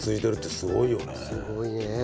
すごいね。